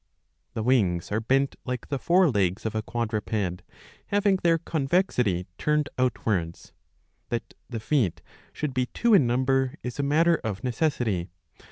^" The wings are bent like the fore legs of a quadruped, having their convexity turned outwards. That the feet should be two in number is a matter of necessity.